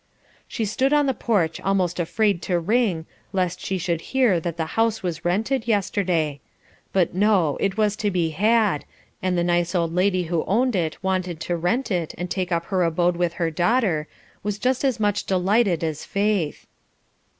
She stood on the porch almost afraid to ring, lest she should hear that the house was rented yesterday; but no, it was to be had, and the nice old lady who owned it wanted to rent it, and take up her abode with her daughter, was just as much delighted as Faith.